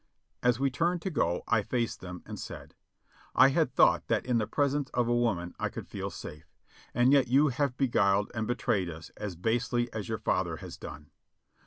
As we turned to go, I faced them and said : "I had thought that in the presence of a woman I could feel safe; and yet you have beguiled and betrayed us as basely as your father has done.